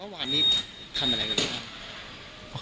วันนี้ทำอะไรกัน